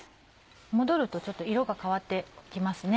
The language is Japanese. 戻るとちょっと色が変わって来ますね。